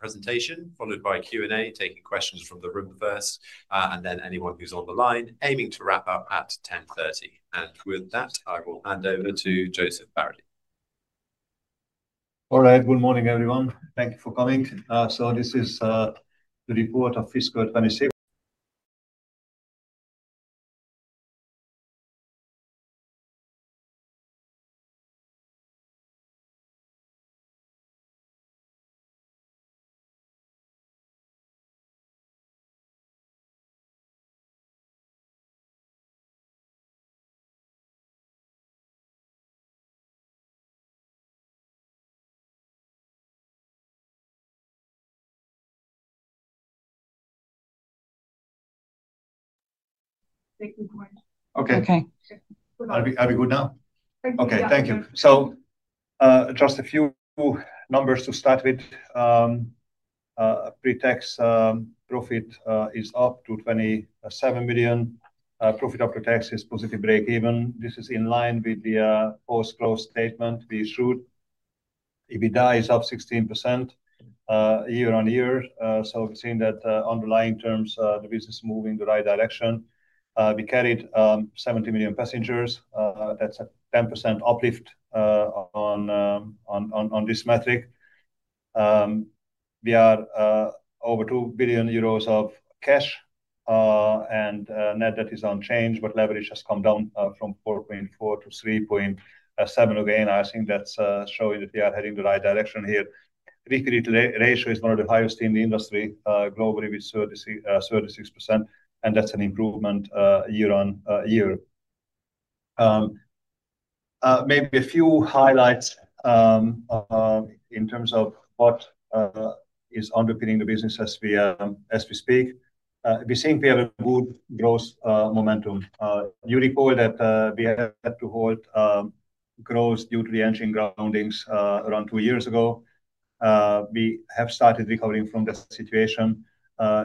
Presentation followed by Q&A, taking questions from the room first, then anyone who's on the line, aiming to wrap up at 10:30. With that, I will hand over to József Váradi. All right. Good morning, everyone. Thank you for coming. This is the report of Fiscal 2026. [inaudible] Okay. Okay. Are we good now? Thank you. Yeah. Okay. Thank you. Just a few numbers to start with. Pre-tax profit is up to 27 million. Profit after tax is positive break even. This is in line with the post-close statement we issued. EBITDA is up 16% year-on-year, we've seen that underlying terms, the business is moving in the right direction. We carried 70 million passengers. That's a 10% uplift on this metric. We are over 2 billion euros of cash, net debt is unchanged, leverage has come down from 4.4x to 3.7x. Again, I think that's showing that we are heading the right direction here. RECR ratio is one of the highest in the industry globally with 36%, that's an improvement year-on-year. Maybe a few highlights in terms of what is underpinning the business as we speak. We have a good growth momentum. You recall that we had to halt growth due to the engine groundings around two years ago. We have started recovering from this situation.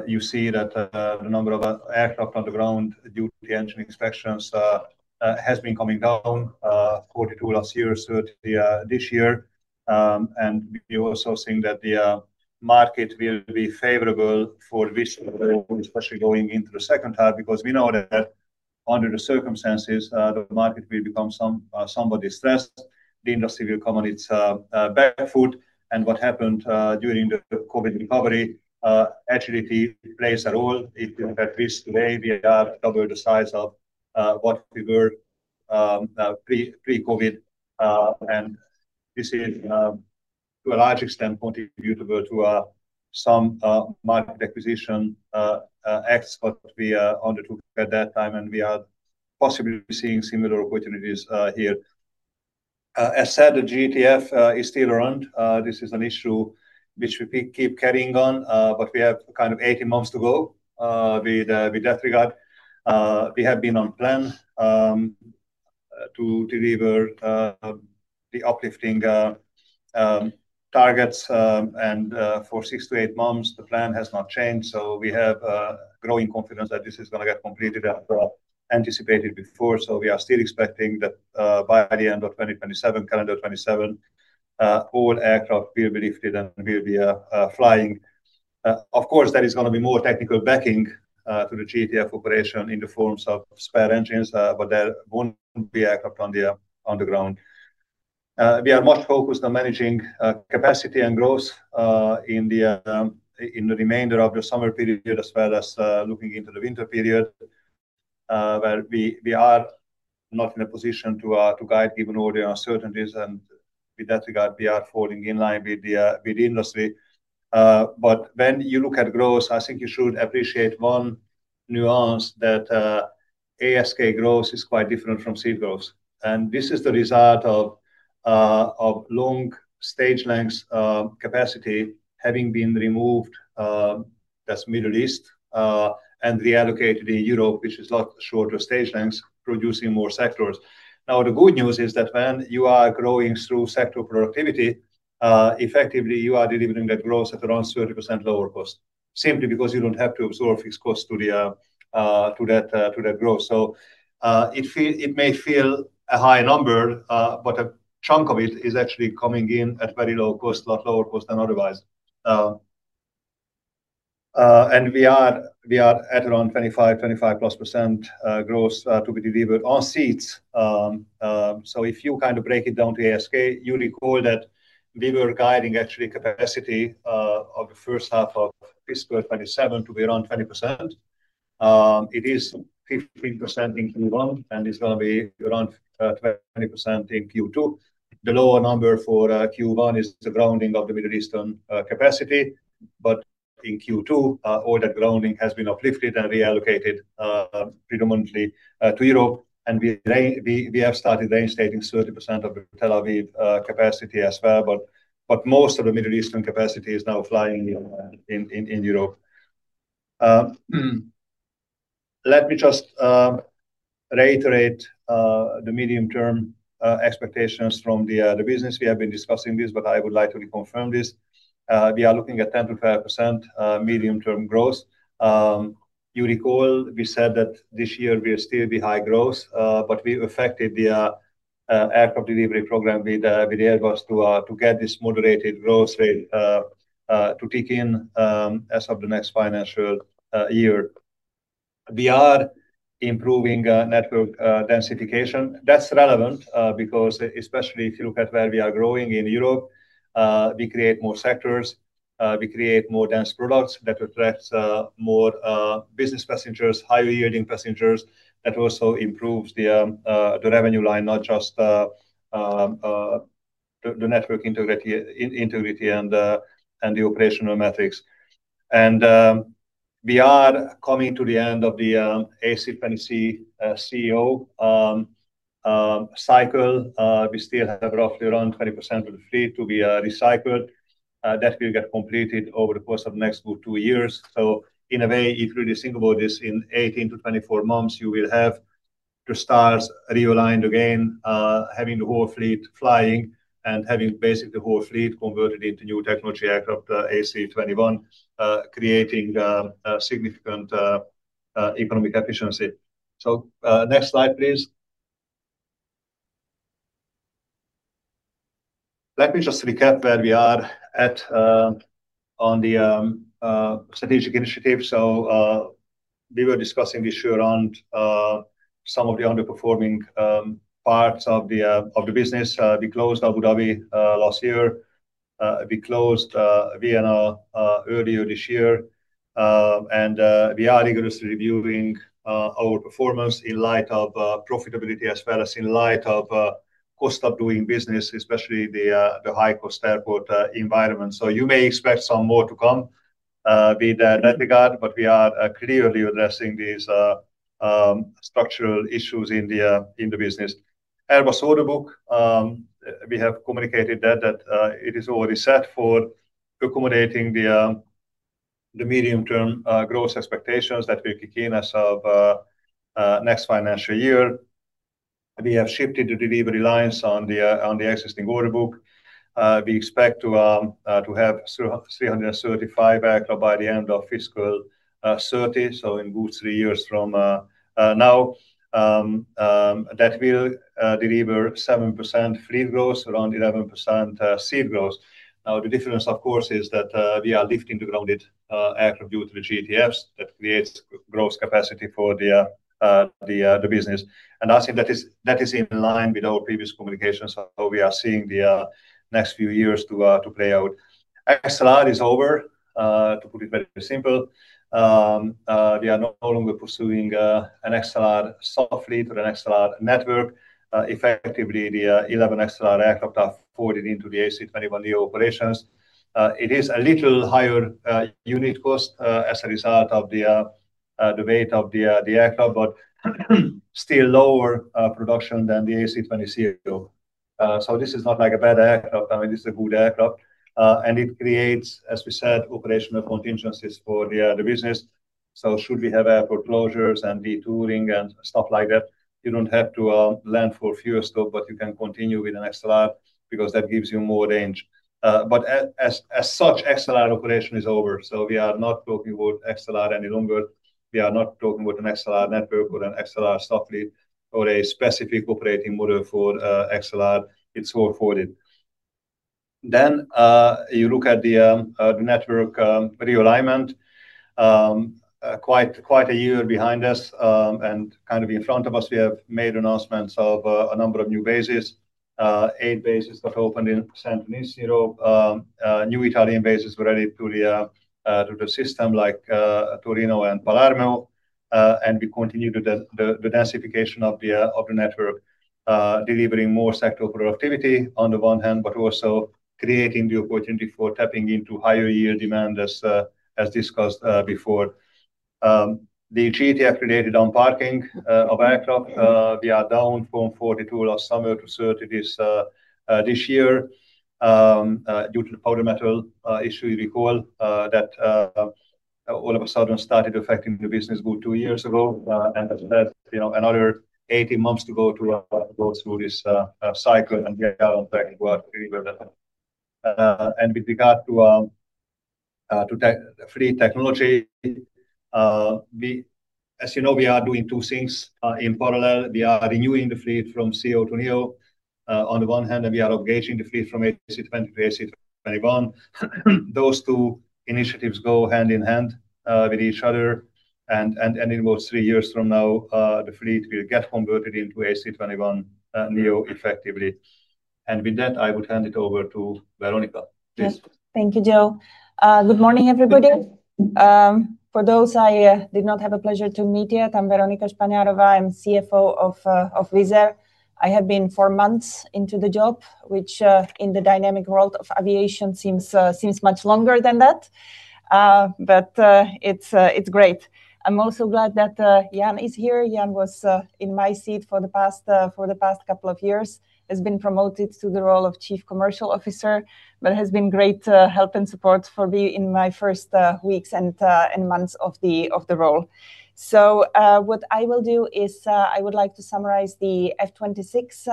You see that the number of aircraft on the ground due to the engine inspections has been coming down, 42 last year, 30 this year. We also think that the market will be favorable for Wizz Air, especially going into the second half, because we know that under the circumstances, the market will become somewhat distressed. The industry will come on its back foot. What happened during the COVID recovery, agility plays a role. At Wizz Air today we are double the size of what we were pre-COVID. This is to a large extent attributable to some market acquisition acts that we undertook at that time, we are possibly seeing similar opportunities here. As said, the GTF is still around. This is an issue which we keep carrying on, we have 18 months to go with that regard. We have been on plan to deliver the uplifting targets, for 6 - 8 months the plan has not changed, we have growing confidence that this is going to get completed as anticipated before. We are still expecting that by the end of 2027, calendar 2027, all aircraft will be lifted and will be flying. Of course, there is going to be more technical backing to the GTF operation in the forms of spare engines, there won't be aircraft on the ground. We are much focused on managing capacity and growth in the remainder of the summer period, as well as looking into the winter period, where we are not in a position to guide given all the uncertainties. With that regard, we are falling in line with the industry. When you look at growth, I think you should appreciate one nuance that ASK growth is quite different from C growth. This is the result of long stage lengths capacity having been removed, that's Middle East, and reallocated in Europe, which is a lot shorter stage lengths producing more sectors. The good news is that when you are growing through sector productivity, effectively you are delivering that growth at around 30% lower cost, simply because you don't have to absorb fixed cost to that growth. It may feel a high number, but a chunk of it is actually coming in at very low cost, a lot lower cost than otherwise. We are at around 25+% growth to be delivered on seats. If you break it down to ASK, you recall that we were guiding actually capacity of the first half of FY2027 to be around 20%. It is 15% in Q1, and it's going to be around 20% in Q2. The lower number for Q1 is the grounding of the Middle Eastern capacity. In Q2, all that grounding has been uplifted and reallocated predominantly to Europe, and we have started reinstating 30% of the Tel Aviv capacity as well. Most of the Middle Eastern capacity is now flying in Europe. Let me just reiterate the medium-term expectations from the business. We have been discussing this, I would like to reconfirm this. We are looking at 10%-5% medium-term growth. You recall we said that this year will still be high growth, we affected the aircraft delivery program with Airbus to get this moderated growth rate to kick in as of the next financial year. We are improving network densification. That's relevant because especially if you look at where we are growing in Europe, we create more sectors, we create more dense products that attracts more business passengers, higher-yielding passengers. That also improves the revenue line, not just the network integrity and the operational metrics. We are coming to the end of the A320ceo cycle. We still have roughly around 20% of the fleet to be recycled. That will get completed over the course of next two years. In a way, if really think about this, in 18-24 months, you will have the stars realigned again, having the whole fleet flying and having basically the whole fleet converted into new technology aircraft, A321neo, creating significant economic efficiency. Next slide, please. Let me just recap where we are on the strategic initiative. We were discussing the issue around some of the underperforming parts of the business. We closed Abu Dhabi last year. We closed Vienna earlier this year. We are rigorously reviewing our performance in light of profitability as well as in light of cost of doing business, especially the high-cost airport environment. You may expect some more to come with that regard, we are clearly addressing these structural issues in the business. Airbus order book. We have communicated that it is already set for accommodating the medium-term growth expectations that will kick in as of next financial year. We have shifted the delivery lines on the existing order book. We expect to have 335 aircraft by the end of fiscal 2030, so in good three years from now. That will deliver 7% fleet growth, around 11% [CASK] growth. The difference, of course, is that we are lifting the grounded aircraft due to the GTFs. That creates growth capacity for the business. I think that is in line with our previous communications of how we are seeing the next few years to play out. XLR is over, to put it very simple. We are no longer pursuing an XLR soft fleet or an XLR network. Effectively, the 11 XLR aircraft are forwarded into the A321neo operations. It is a little higher unit cost as a result of the weight of the aircraft, but still lower production than the A320ceo. This is not a bad aircraft. I mean, this is a good aircraft. It creates, as we said, operational contingencies for the business. Should we have airport closures and detouring and stuff like that, you don't have to land for fuel stop, but you can continue with an XLR because that gives you more range. As such, XLR operation is over. We are not talking about XLR any longer. We are not talking about an XLR network or an XLR soft fleet or a specific operating model for XLR. It's all forwarded. You look at the network realignment. Quite a year behind us, and in front of us, we have made announcements of a number of new bases. Eight bases that opened in Saint-Denis, Europe. New Italian bases were added to the system, like Turin and Palermo. We continue the densification of the network, delivering more sector productivity on the one hand, but also creating the opportunity for tapping into higher yield demand as discussed before. The GTF related on parking of aircraft, we are down from 42 last summer to 30 this year, due to the powder metal issue recall that all of a sudden started affecting the business good two years ago. That's another 18 months to go through this cycle, and we are on track with where we were then. With regard to fleet technology, as you know, we are doing two things in parallel. We are renewing the fleet from ceo to neo on the one hand, and we are upgauging the fleet from A320ceo to A321neo. Those two initiatives go hand in hand with each other, and in about three years from now, the fleet will get converted into A321neo effectively. With that, I would hand it over to Veronika, please. Yes. Thank you, Joe. Good morning, everybody. For those I did not have a pleasure to meet yet, I'm Veronika Špaňárová. I'm CFO of Wizz Air. I have been four months into the job, which in the dynamic world of aviation seems much longer than that. But it's great. I am also glad that Ian is here. Ian was in my seat for the past couple of years, has been promoted to the role of Chief Commercial Officer, but has been great help and support for me in my first weeks and months of the role. What I will do is, I would like to summarize the FY 2026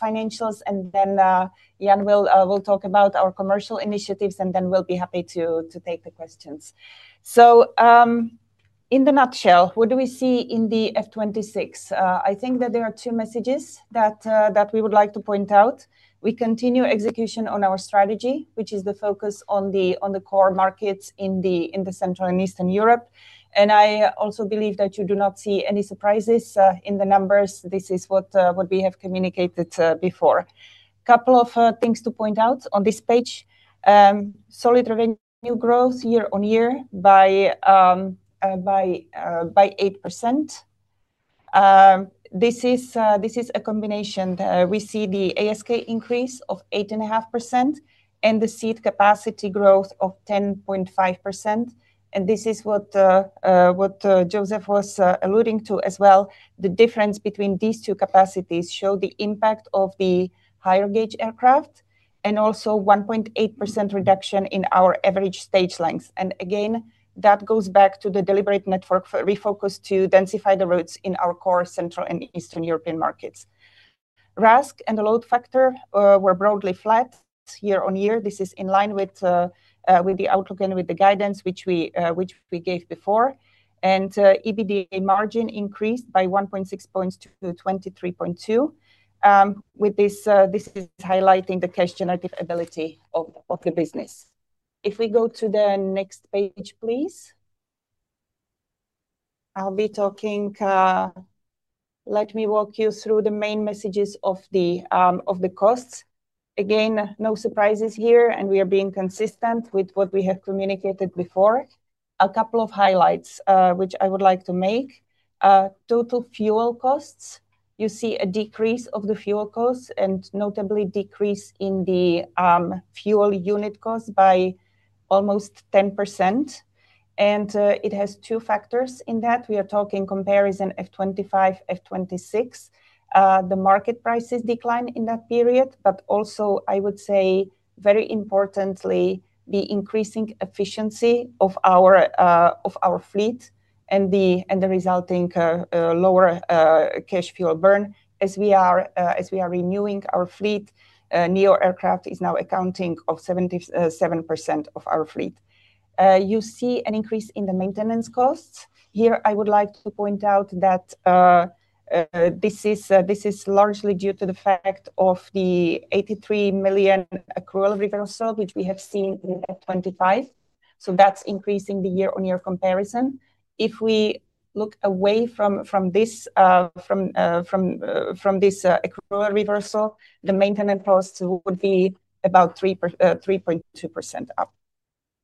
financials, and then Ian will talk about our commercial initiatives, and then we will be happy to take the questions. In a nutshell, what do we see in the FY 2026? I think that there are two messages that we would like to point out. We continue execution on our strategy, which is the focus on the core markets in Central and Eastern Europe. I also believe that you do not see any surprises in the numbers. This is what we have communicated before. Couple of things to point out on this page. Solid revenue growth year-on-year by 8%. This is a combination. We see the ASK increase of 8.5% and the seat capacity growth of 10.5%, and this is what József was alluding to as well. The difference between these two capacities show the impact of the higher gauge aircraft and also 1.8% reduction in our average stage lengths. Again, that goes back to the deliberate network refocus to densify the routes in our core Central and Eastern European markets. RASK and the load factor were broadly flat year-on-year. This is in line with the outlook and with the guidance which we gave before. EBITDA margin increased by 1.6 points to 23.2%. This is highlighting the cash generative ability of the business. If we go to the next page, please. Let me walk you through the main messages of the costs. Again, no surprises here, and we are being consistent with what we have communicated before. A couple of highlights which I would like to make. Total fuel costs. You see a decrease of the fuel cost and notably decrease in the fuel unit cost by almost 10%. It has two factors in that. We are talking comparison FY 2025, FY 2026. The market prices decline in that period, also I would say very importantly, the increasing efficiency of our fleet and the resulting lower cash fuel burn as we are renewing our fleet. NEO aircraft is now accounting of 77% of our fleet. You see an increase in the maintenance costs. Here, I would like to point out that this is largely due to the fact of the 83 million accrual reversal which we have seen in FY2025. That is increasing the year-on-year comparison. If we look away from this accrual reversal, the maintenance costs would be about 3.2% up.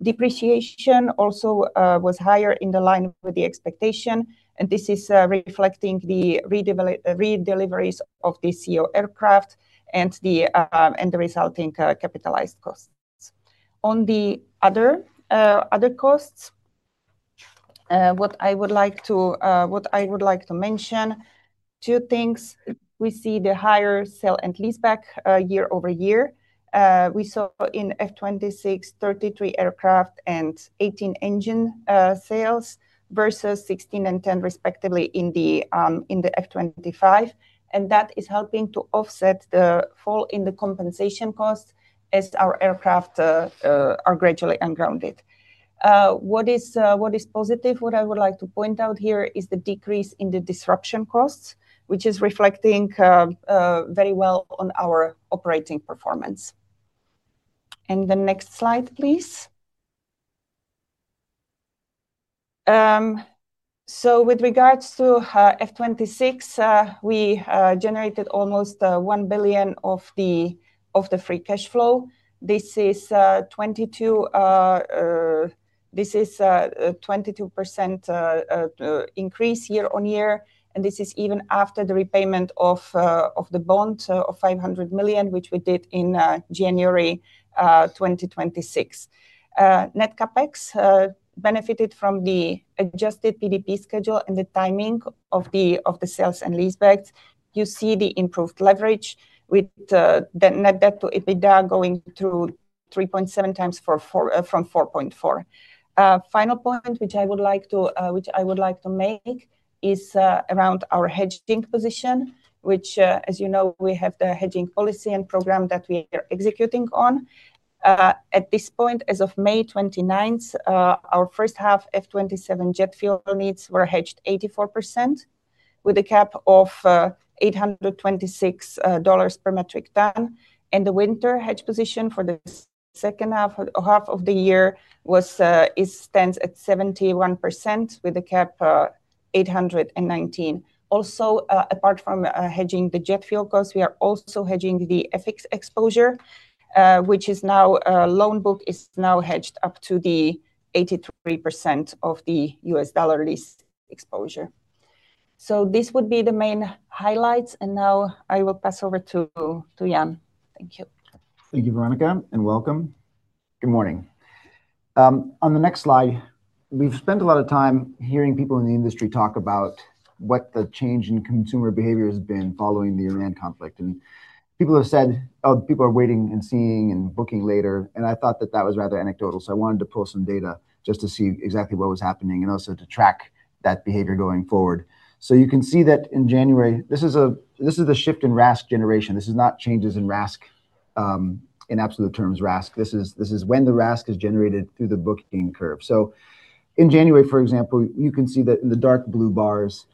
Depreciation also was higher in the line with the expectation, and this is reflecting the re-deliveries of the CEO aircraft and the resulting capitalized costs. On the other costs, what I would like to mention, two things. We see the higher sale and leaseback year-over-year. We saw in FY 2026, 33 aircraft and 18 engine sales versus 16 and 10 respectively in the FY 2025, and that is helping to offset the fall in the compensation cost as our aircraft are gradually ungrounded. What is positive, what I would like to point out here is the decrease in the disruption costs, which is reflecting very well on our operating performance. The next slide, please. With regards to FY 2026, we generated almost 1 billion of the free cash flow. This is a 22% increase year-over-year, and this is even after the repayment of the bond of 500 million, which we did in January 2026. Net CapEx benefited from the adjusted PDP schedule and the timing of the sale and leaseback. You see the improved leverage with the net debt to EBITDA going to 3.7x from 4.4x. Final point which I would like to make is around our hedging position, which, as you know, we have the hedging policy and program that we are executing on. At this point, as of May 29th, our first half FY 2027 jet fuel needs were hedged 84% with a cap of $826 per metric ton. The winter hedge position for the second half of the year stands at 71% with a cap, $819. Apart from hedging the jet fuel cost, we are also hedging the FX exposure, which loan book is now hedged up to the 83% of the US dollar lease exposure. This would be the main highlights, and now I will pass over to Ian. Thank you. Thank you, Veronika, and welcome. Good morning. On the next slide, we've spent a lot of time hearing people in the industry talk about what the change in consumer behavior has been following the Iran conflict, and people have said, "Oh, people are waiting and seeing and booking later." I thought that that was rather anecdotal, so I wanted to pull some data just to see exactly what was happening and also to track that behavior going forward. You can see that in January, this is the shift in RASK generation. This is not changes in RASK. In absolute terms, RASK. This is when the RASK is generated through the booking curve. In January, for example, you can see that in the dark blue bars,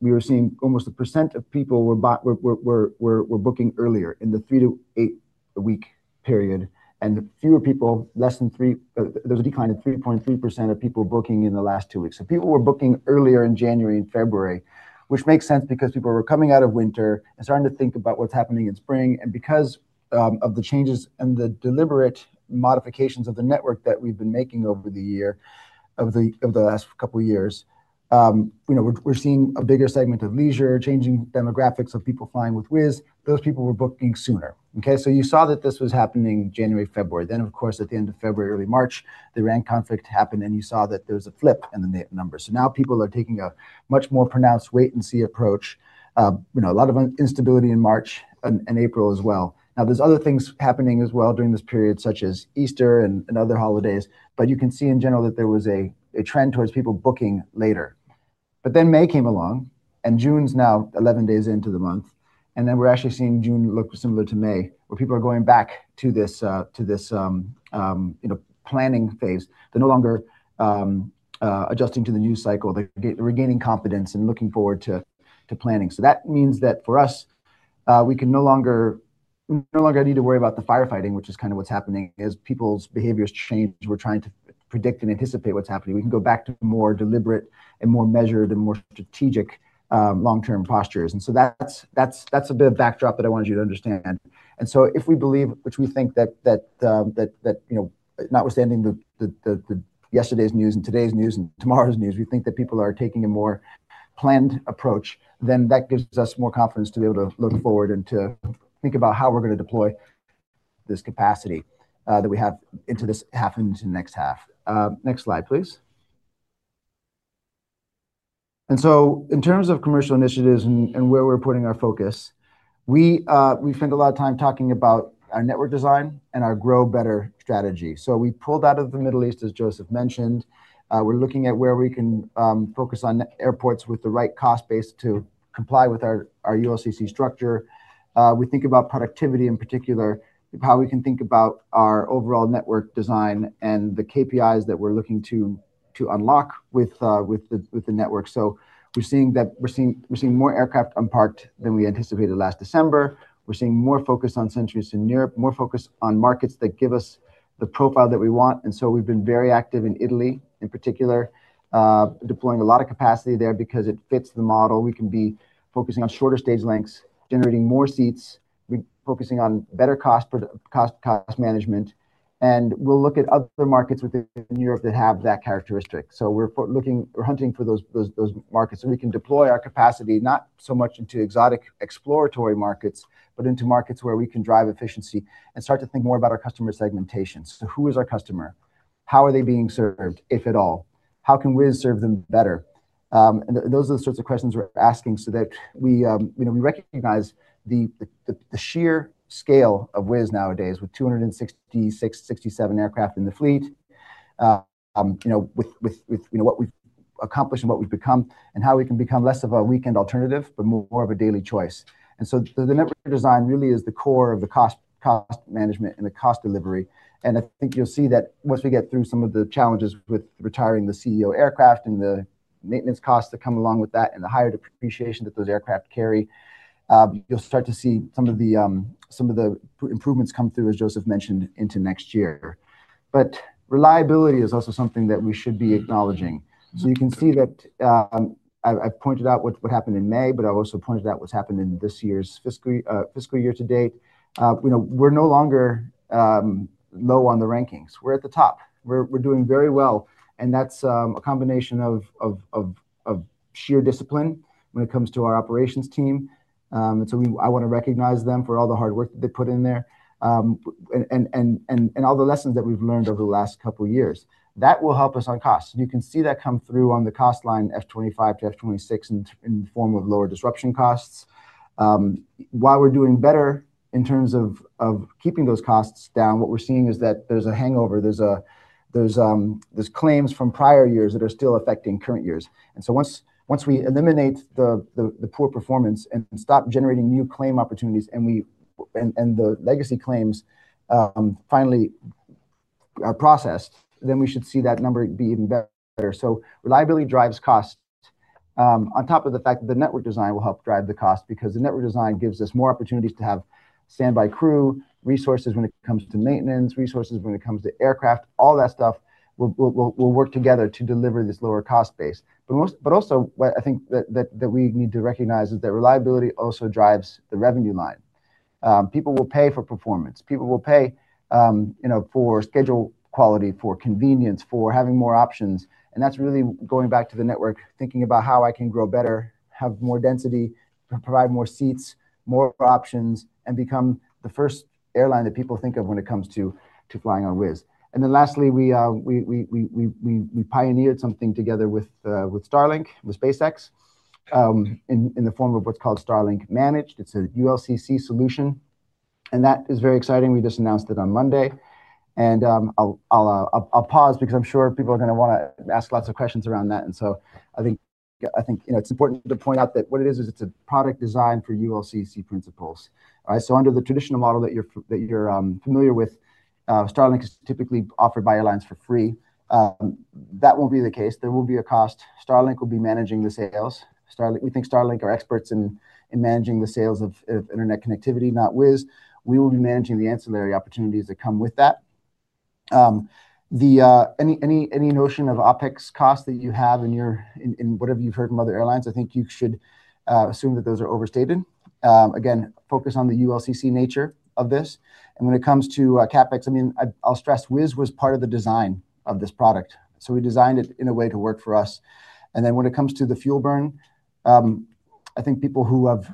we were seeing almost 1% of people were booking earlier in the three - eight week period, and there was a decline of 3.3% of people booking in the last two weeks. People were booking earlier in January and February, which makes sense because people were coming out of winter and starting to think about what's happening in spring. Because of the changes and the deliberate modifications of the network that we've been making over the last couple years, we're seeing a bigger segment of leisure, changing demographics of people flying with Wizz. Those people were booking sooner. Okay, you saw that this was happening January, February. Of course, at the end of February, early March, the Iran conflict happened, you saw that there was a flip in the numbers. People are taking a much more pronounced wait and see approach. A lot of instability in March and April as well. There's other things happening as well during this period, such as Easter and other holidays, but you can see in general that there was a trend towards people booking later. May came along, and June's now 11 days into the month, and we're actually seeing June look similar to May, where people are going back to this planning phase. They're no longer adjusting to the news cycle. They're regaining confidence and looking forward to planning. That means that for us, we no longer need to worry about the firefighting, which is what's happening as people's behaviors change, we're trying to predict and anticipate what's happening. We can go back to more deliberate and more measured and more strategic long-term postures. That's a bit of backdrop that I wanted you to understand. If we believe, which we think that notwithstanding the yesterday's news and today's news and tomorrow's news, we think that people are taking a more planned approach, that gives us more confidence to be able to look forward and to think about how we're going to deploy this capacity that we have into this half into the next half. Next slide, please. In terms of commercial initiatives and where we're putting our focus, we spend a lot of time talking about our network design and our grow better strategy. We pulled out of the Middle East, as József mentioned. We're looking at where we can focus on airports with the right cost base to comply with our ULCC structure. We think about productivity in particular, how we can think about our overall network design and the KPIs that we're looking to unlock with the network. We're seeing more aircraft unparked than we anticipated last December. We're seeing more focus on sectors in Europe, more focus on markets that give us the profile that we want. We've been very active in Italy in particular, deploying a lot of capacity there because it fits the model. We can be focusing on shorter stage lengths, generating more seats, focusing on better cost management, and we'll look at other markets within Europe that have that characteristic. We're hunting for those markets so we can deploy our capacity, not so much into exotic exploratory markets, but into markets where we can drive efficiency and start to think more about our customer segmentation. Who is our customer? How are they being served, if at all? How can Wizz serve them better? Those are the sorts of questions we're asking so that we recognize the sheer scale of Wizz nowadays with 266,667 aircraft in the fleet, with what we've accomplished and what we've become, and how we can become less of a weekend alternative, but more of a daily choice. The network design really is the core of the cost management and the cost delivery. I think you'll see that once we get through some of the challenges with retiring the A320ceo aircraft and the maintenance costs that come along with that and the higher depreciation that those aircraft carry, you'll start to see some of the improvements come through, as József mentioned, into next year. Reliability is also something that we should be acknowledging. You can see that, I've pointed out what happened in May, I've also pointed out what's happened in this year's fiscal year to date. We're no longer low on the rankings. We're at the top. We're doing very well, and that's a combination of sheer discipline when it comes to our operations team. I want to recognize them for all the hard work that they put in there, and all the lessons that we've learned over the last couple of years. That will help us on costs. You can see that come through on the cost line FY 2025 to FY 2026 in the form of lower disruption costs. While we're doing better in terms of keeping those costs down, what we're seeing is that there's a hangover. There's claims from prior years that are still affecting current years. Once we eliminate the poor performance and stop generating new claim opportunities, and the legacy claims finally are processed, then we should see that number be even better. Reliability drives cost. On top of the fact that the network design will help drive the cost because the network design gives us more opportunities to have standby crew, resources when it comes to maintenance, resources when it comes to aircraft, all that stuff will work together to deliver this lower cost base. Also, what I think that we need to recognize is that reliability also drives the revenue line. People will pay for performance. People will pay for schedule quality, for convenience, for having more options, and that's really going back to the network, thinking about how I can grow better, have more density, provide more seats, more options, and become the first airline that people think of when it comes to flying on Wizz. Lastly, we pioneered something together with Starlink, with SpaceX, in the form of what's called Starlink Managed. It's a ULCC solution, and that is very exciting. We just announced it on Monday. I'll pause because I'm sure people are going to want to ask lots of questions around that. I think it's important to point out that what it is, it's a product designed for ULCC principles. Under the traditional model that you're familiar with, Starlink is typically offered by airlines for free. That won't be the case. There will be a cost. Starlink will be managing the sales. We think Starlink are experts in managing the sales of internet connectivity, not Wizz. We will be managing the ancillary opportunities that come with that. Any notion of OpEx cost that you have in whatever you've heard from other airlines, I think you should assume that those are overstated. Again, focus on the ULCC nature of this. When it comes to CapEx, I'll stress, Wizz was part of the design of this product. We designed it in a way to work for us. When it comes to the fuel burn, I think people who have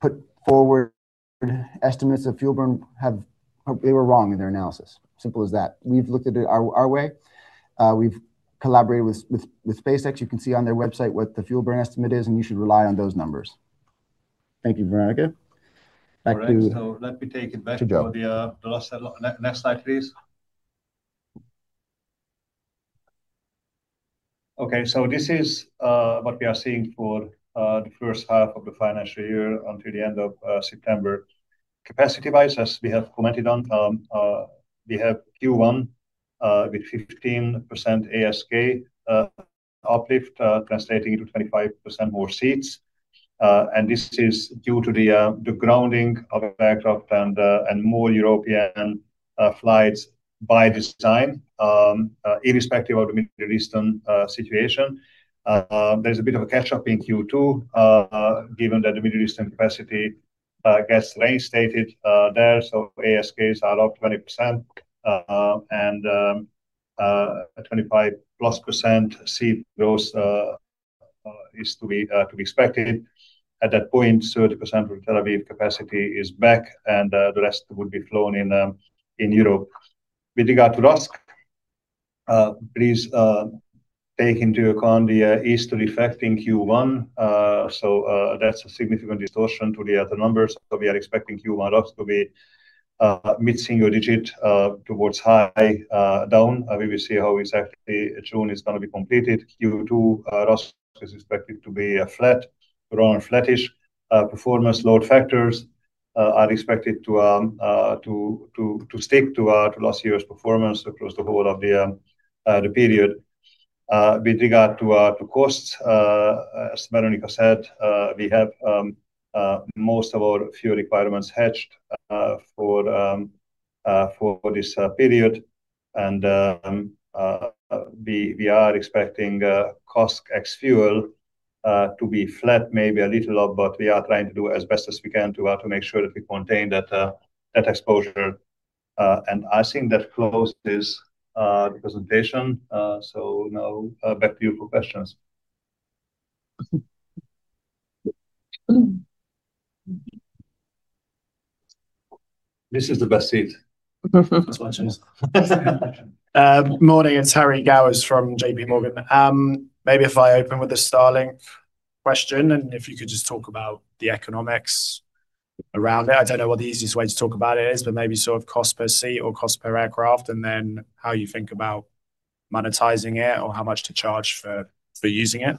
put forward estimates of fuel burn, they were wrong in their analysis. Simple as that. We've looked at it our way. We've collaborated with SpaceX. You can see on their website what the fuel burn estimate is, and you should rely on those numbers. Thank you, Veronika. All right. Let me take it back for the last. Next slide, please. This is what we are seeing for the first half of the financial year until the end of September. Capacity-wise, as we have commented on, we have Q1 with 15% ASK uplift, translating into 25% more seats. This is due to the grounding of aircraft and more European flights by design, irrespective of the Middle Eastern situation. There is a bit of a catch-up in Q2, given that the Middle Eastern capacity gets reinstated there. ASKs are up 20%, and a 25+% seat growth is to be expected. At that point, 30% of Tel Aviv capacity is back, and the rest would be flown in Europe. With regard to RASK, please take into account the Easter effect in Q1. That's a significant distortion to the other numbers. We are expecting Q1 RASK to be mid-single digit towards high down. We will see how exactly June is going to be completed. Q2 RASK is expected to be flat, around flattish performance. Load factors are expected to stick to last year's performance across the whole of the period. With regard to costs, as Veronika said, we have most of our fuel requirements hedged for this period, we are expecting cost ex fuel to be flat, maybe a little up, but we are trying to do as best as we can to make sure that we contain that exposure. I think that closes the presentation. Now back to you for questions. This is the best seat. That's what I choose. Morning, it's Harry Gowers from J.P. Morgan. If I open with a Starlink question, if you could just talk about the economics around it. I don't know what the easiest way to talk about it is, maybe sort of cost per seat or cost per aircraft, then how you think about monetizing it or how much to charge for using it.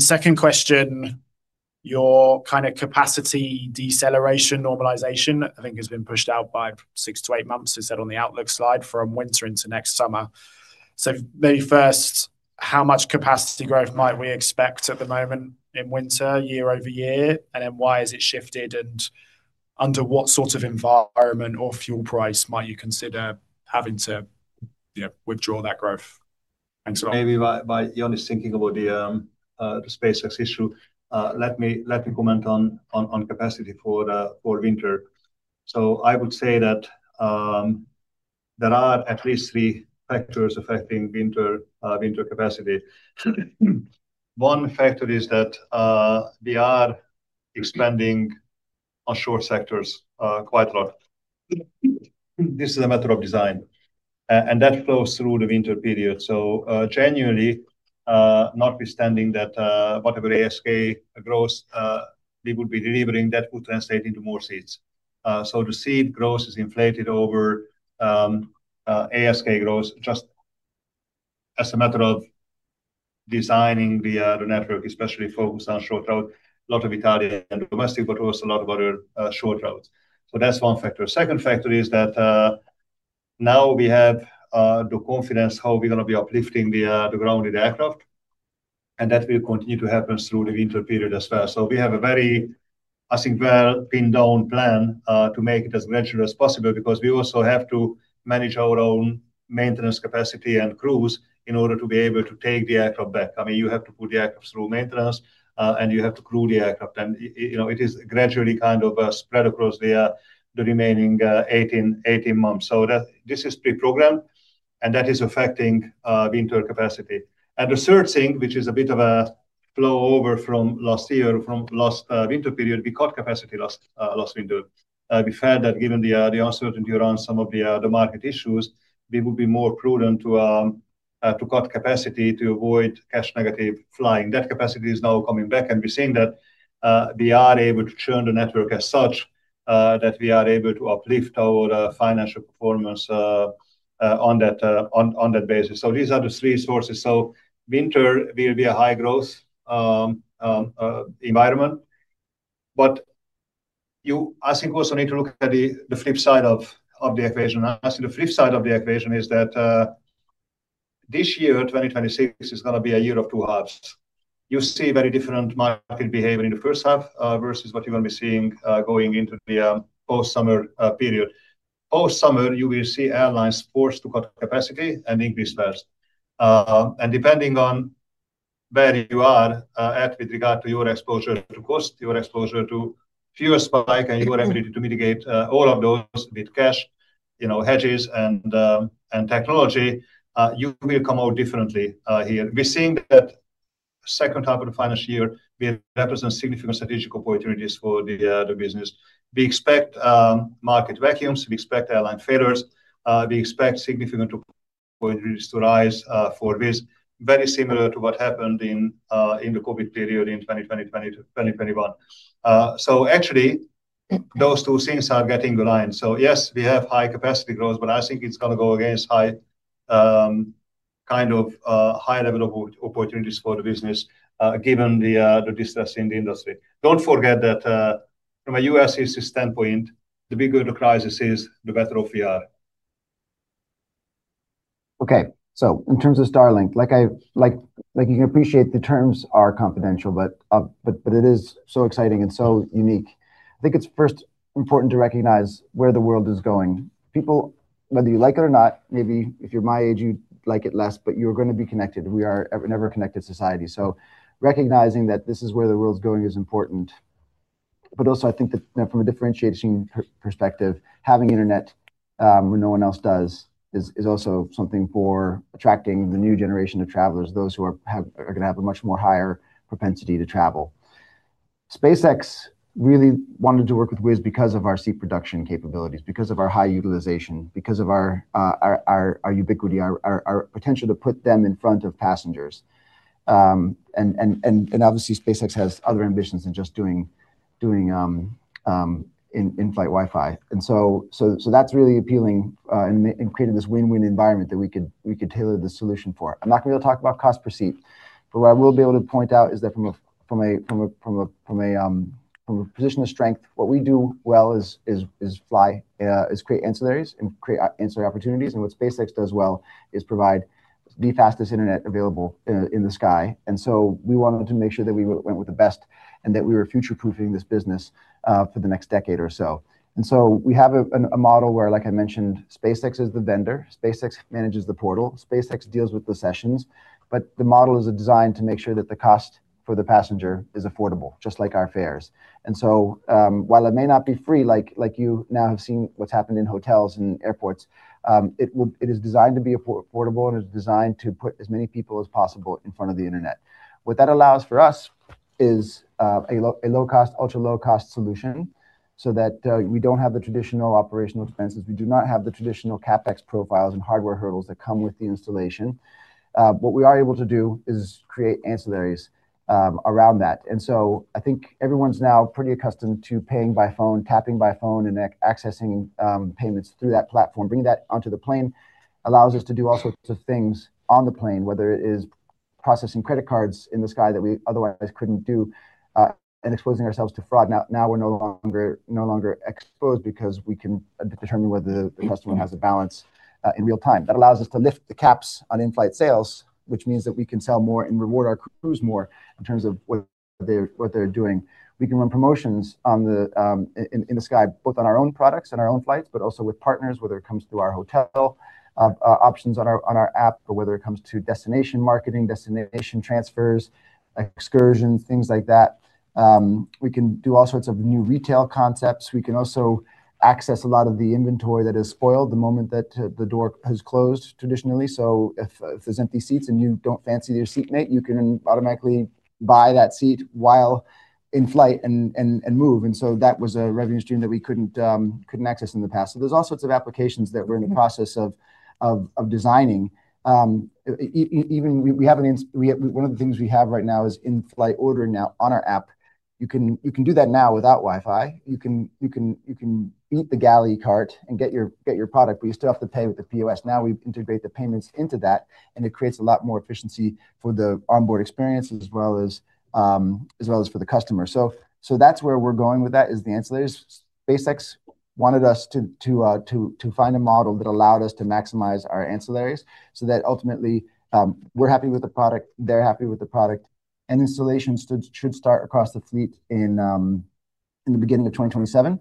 Second question, your capacity deceleration normalization, I think, has been pushed out by 6 - 8 months, as said on the outlook slide, from winter into next summer. Maybe first, how much capacity growth might we expect at the moment in winter year-over-year? Why has it shifted, and under what sort of environment or fuel price might you consider having to withdraw that growth? Thanks. Maybe while Ian is thinking about the SpaceX issue, let me comment on capacity for winter. I would say that there are at least three factors affecting winter capacity. One factor is that we are expanding onshore sectors quite a lot. This is a matter of design. That flows through the winter period. Generally, notwithstanding that whatever ASK growth we would be delivering, that would translate into more seats. The seat growth is inflated over ASK growth, just as a matter of designing the network, especially focused on short route, a lot of Italian domestic, also a lot of other short routes. That's one factor. Second factor is that now we have the confidence how we're going to be uplifting the grounded aircraft, and that will continue to happen through the winter period as well. We have a very, I think, well pinned-down plan to make it as gradual as possible because we also have to manage our own maintenance capacity and crews in order to be able to take the aircraft back. You have to put the aircraft through maintenance, you have to crew the aircraft, and it is gradually spread across the remaining 18 months. This is pre-programmed, and that is affecting winter capacity. The third thing, which is a bit of a flow over from last year, from last winter period, we cut capacity last winter. We felt that given the uncertainty around some of the market issues, we would be more prudent to cut capacity to avoid cash negative flying. That capacity is now coming back, and we're seeing that we are able to churn the network as such that we are able to uplift our financial performance on that basis. These are the three sources. Winter will be a high growth environment. You, I think, also need to look at the flip side of the equation. I see the flip side of the equation is that this year, 2026, is going to be a year of two halves. You see very different market behavior in the first half versus what you're going to be seeing going into the post-summer period. Post summer, you will see airlines forced to cut capacity and increase fares. Depending on where you are at with regard to your exposure to cost, your exposure to fuel spike, and your ability to mitigate all of those with cash, hedges, and technology, you will come out differently here. We're seeing that second half of the financial year will represent significant strategic opportunities for the business. We expect market vacuums, we expect airline failures. We expect significant opportunities to rise for Wizz, very similar to what happened in the COVID period in 2020 to 2021. Actually, those two things are getting aligned. Yes, we have high capacity growth, but I think it's going to go against high level of opportunities for the business, given the distress in the industry. Don't forget that from a ULCC standpoint, the bigger the crisis is, the better off we are. Okay. In terms of Starlink, you can appreciate the terms are confidential, but it is so exciting and so unique. I think it's first important to recognize where the world is going. People, whether you like it or not, maybe if you're my age, you like it less, but you're going to be connected. We are an ever connected society. Recognizing that this is where the world's going is important. Also, I think that from a differentiating perspective, having Internet when no one else does is also something for attracting the new generation of travelers, those who are going to have a much more higher propensity to travel. SpaceX really wanted to work with Wizz because of our seat production capabilities, because of our high utilization, because of our ubiquity, our potential to put them in front of passengers. Obviously, SpaceX has other ambitions than just doing in-flight Wi-Fi. That's really appealing in creating this win-win environment that we could tailor the solution for. I'm not going to be able talk about cost per seat, but what I will be able to point out is that from a position of strength, what we do well is fly, is create ancillaries and create ancillary opportunities. What SpaceX does well is provide the fastest Internet available in the sky. We wanted to make sure that we went with the best and that we were future-proofing this business for the next decade or so. We have a model where, like I mentioned, SpaceX is the vendor. SpaceX manages the portal. SpaceX deals with the sessions. The model is designed to make sure that the cost for the passenger is affordable, just like our fares. While it may not be free like you now have seen what's happened in hotels and airports, it is designed to be affordable, and it is designed to put as many people as possible in front of the Internet. What that allows for us is an ultra-low-cost solution so that we don't have the traditional operational expenses. We do not have the traditional CapEx profiles and hardware hurdles that come with the installation. What we are able to do is create ancillaries around that. I think everyone's now pretty accustomed to paying by phone, tapping by phone, and accessing payments through that platform. Bringing that onto the plane allows us to do all sorts of things on the plane, whether it is processing credit cards in the sky that we otherwise couldn't do, exposing ourselves to fraud. Now we're no longer exposed because we can determine whether the customer has a balance in real time. That allows us to lift the caps on in-flight sales, which means that we can sell more and reward our crews more in terms of what they're doing. We can run promotions in the sky, both on our own products and our own flights, also with partners, whether it comes through our hotel, options on our app, or whether it comes to destination marketing, destination transfers, excursions, things like that. We can do all sorts of new retail concepts. We can also access a lot of the inventory that is spoiled the moment that the door has closed traditionally. If there's empty seats and you don't fancy your seatmate, you can automatically buy that seat while in flight and move. That was a revenue stream that we couldn't access in the past. There's all sorts of applications that we're in the process of designing. One of the things we have right now is in-flight ordering now on our app. You can do that now without Wi-Fi. You can beat the galley cart and get your product, you still have to pay with the POS. Now we integrate the payments into that, it creates a lot more efficiency for the onboard experience as well as for the customer. That's where we're going with that is the ancillaries. SpaceX wanted us to find a model that allowed us to maximize our ancillaries so that ultimately we're happy with the product, they're happy with the product. Installation should start across the fleet in the beginning of 2027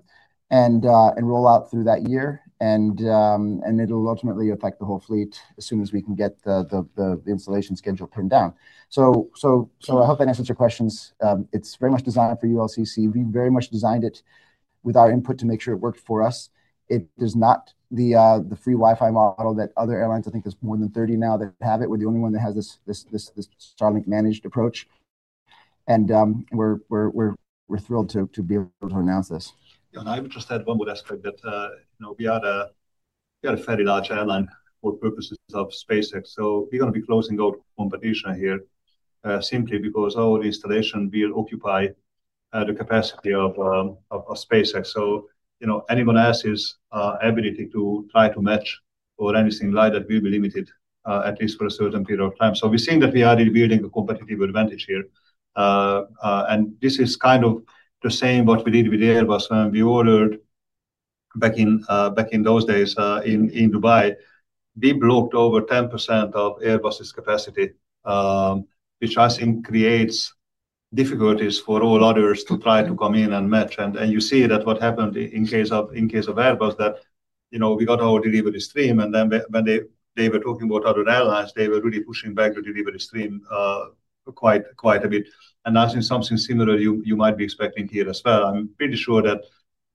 and roll out through that year, it'll ultimately affect the whole fleet as soon as we can get the installation schedule pinned down. I hope that answers your questions. It's very much designed for ULCC. We very much designed it with our input to make sure it worked for us. It is not the free Wi-Fi model that other airlines, I think there's more than 30 now that have it. We're the only one that has this Starlink managed approach. We're thrilled to be able to announce this. I would just add one more aspect that we are a fairly large airline for purposes of SpaceX, we're going to be closing out competition here, simply because our installation will occupy the capacity of SpaceX. Anyone else's ability to try to match or anything like that will be limited, at least for a certain period of time. We're seeing that we are building a competitive advantage here. This is the same what we did with Airbus when we ordered back in those days, in Dubai. We blocked over 10% of Airbus's capacity, which I think creates difficulties for all others to try to come in and match. You see that what happened in case of Airbus that we got our delivery stream, when they were talking about other airlines, they were really pushing back the delivery stream quite a bit. I think something similar you might be expecting here as well. I'm pretty sure that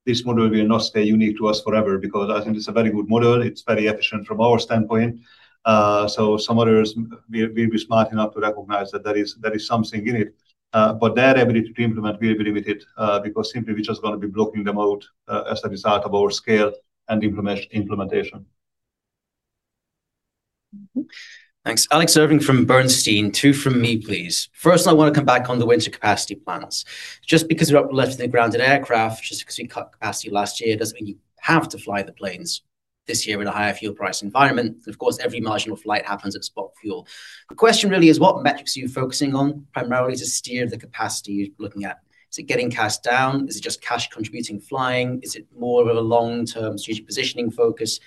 this model will not stay unique to us forever because I think it's a very good model. It's very efficient from our standpoint. Some others will be smart enough to recognize that there is something in it. Their ability to implement will be limited, because simply we're just going to be blocking them out, as a result of our scale and implementation. Thanks. Alex Irving from Bernstein. Two from me, please. First, I want to come back on the winter capacity plans. Just because we're up less than the grounded aircraft, just because we cut capacity last year doesn't mean you have to fly the planes this year in a higher fuel price environment. Of course, every marginal flight happens at spot fuel. The question really is what metrics are you focusing on primarily to steer the capacity you're looking at? Is it getting cash down? Is it just cash contributing flying? Is it more of a long-term strategic positioning focus?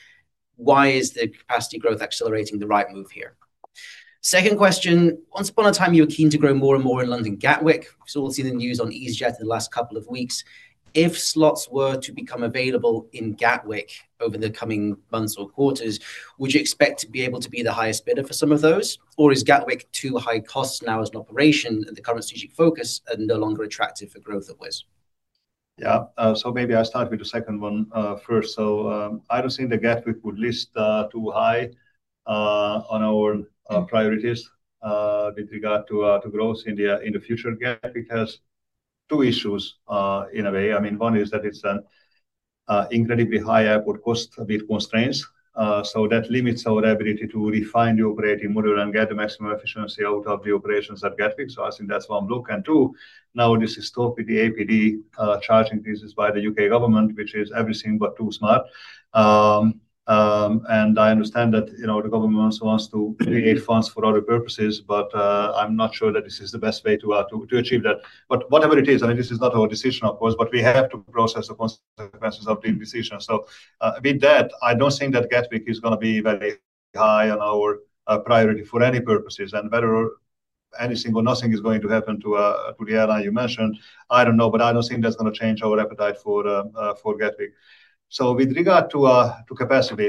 Why is the capacity growth accelerating the right move here? Second question. Once upon a time you were keen to grow more and more in London Gatwick. We'll see the news on easyJet in the last couple of weeks. If slots were to become available in Gatwick over the coming months or quarters, would you expect to be able to be the highest bidder for some of those? Is Gatwick too high cost now as an operation and the current strategic focus and no longer attractive for growth it was? Yeah. Maybe I'll start with the second one first. I don't think the Gatwick would list too high on our priorities with regard to growth in the future, Gatwick has two issues in a way. One is that it's an incredibly high airport cost with constraints. That limits our ability to refine the operating model and get the maximum efficiency out of the operations at Gatwick. I think that's one look. Two, now this historic with the APD charging thesis by the U.K. government, which is everything but too smart. I understand that the government wants to create funds for other purposes, but I'm not sure that this is the best way to achieve that. Whatever it is, this is not our decision of course, but we have to process the consequences of the decision. With that, I don't think that Gatwick is going to be very high on our priority for any purposes, and whether anything or nothing is going to happen to the airline you mentioned, I don't know, but I don't think that's going to change our appetite for Gatwick. With regard to capacity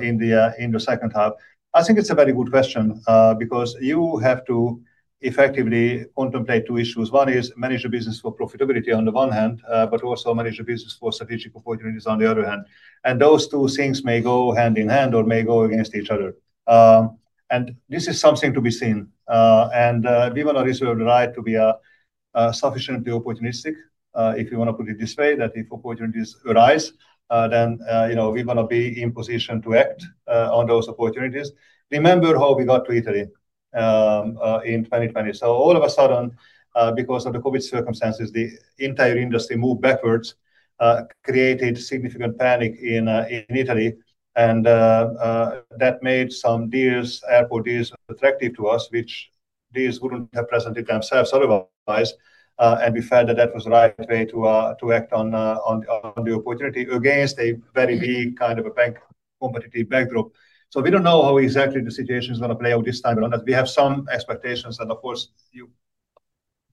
in the second half, I think it's a very good question, because you have to effectively contemplate two issues. One is manage the business for profitability on the one hand, but also manage the business for strategic opportunities on the other hand. Those two things may go hand in hand or may go against each other. This is something to be seen. We will always have the right to be sufficiently opportunistic, if you want to put it this way, that if opportunities arise, then we want to be in position to act on those opportunities. Remember how we got to Italy in 2020. All of a sudden, because of the COVID circumstances, the entire industry moved backwards, created significant panic in Italy and that made some deals, airport deals attractive to us, which these wouldn't have presented themselves otherwise. We felt that that was the right way to act on the opportunity against a very big bank competitive backdrop. We don't know how exactly the situation is going to play out this time around, as we have some expectations and of course you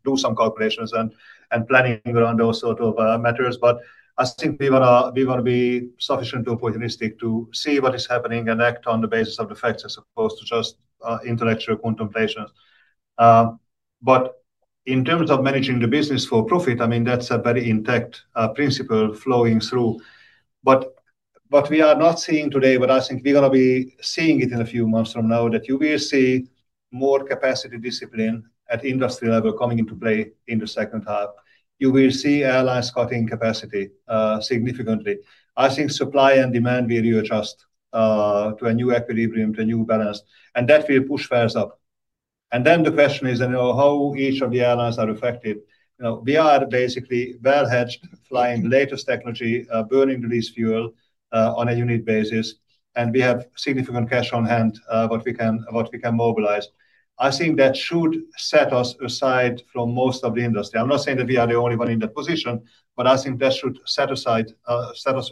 do some calculations and planning around those sort of matters. I think we want to be sufficiently opportunistic to see what is happening and act on the basis of the facts as opposed to just intellectual contemplations. In terms of managing the business for profit, that's a very intact principle flowing through. What we are not seeing today, but I think we're going to be seeing it in a few months from now, that you will see more capacity discipline at industry level coming into play in the second half. You will see airlines cutting capacity significantly. I think supply and demand will readjust to a new equilibrium, to a new balance, and that will push fares up. Then the question is how each of the airlines are affected. We are basically well hedged flying the latest technology, burning the least fuel on a unit basis, and we have significant cash on hand, what we can mobilize. I think that should set us aside from most of the industry. I'm not saying that we are the only one in that position, but I think that should set us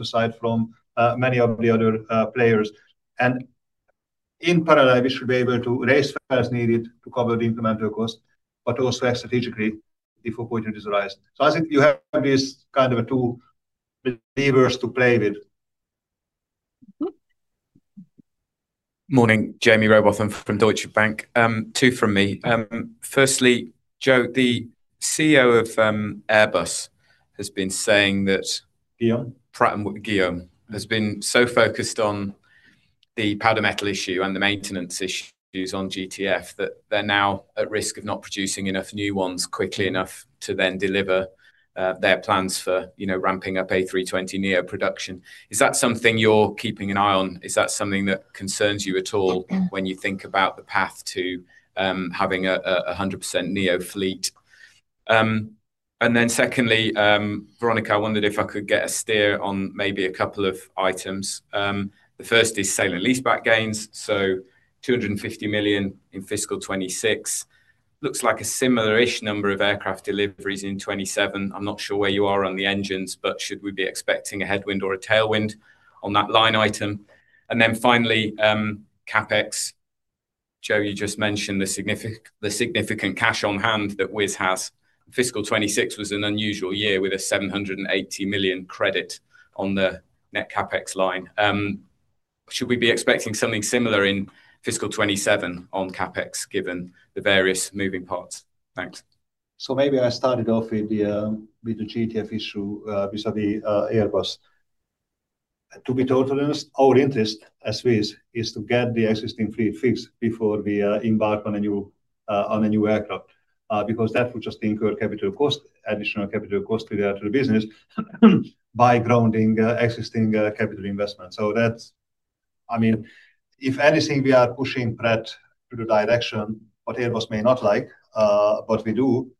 aside from many of the other players. In parallel, we should be able to raise fares as needed to cover the incremental cost, but also act strategically if opportunities arise. I think you have these two levers to play with. Morning. Jaime Rowbotham from Deutsche Bank. Two from me. Firstly, Joe, the CEO of Airbus has been saying that. Guillaume? Pratt & Whitney has been so focused on the powder metal issue and the maintenance issues on GTF, that they're now at risk of not producing enough new ones quickly enough to then deliver their plans for ramping up A320neo production. Is that something you're keeping an eye on? Is that something that concerns you at all when you think about the path to having 100% NEO fleet? Secondly, Veronika, I wondered if I could get a steer on maybe a couple of items. The first is sale and leaseback gains, so 250 million in FY 2026. Looks like a similar-ish number of aircraft deliveries in FY 2027. I'm not sure where you are on the engines, but should we be expecting a headwind or a tailwind on that line item? Finally, CapEx. Joe, you just mentioned the significant cash on hand that Wizz has. FY 2026 was an unusual year with a 780 million credit on the net CapEx line. Should we be expecting something similar in FY 2027 on CapEx, given the various moving parts? Thanks. Maybe I start it off with the GTF issue vis-à-vis Airbus. To be totally honest, our interest as Wizz is to get the existing fleet fixed before we embark on a new aircraft, because that would just incur additional capital cost to the actual business by grounding existing capital investment. If anything, we are pushing Pratt to the direction what Airbus may not like, but we do,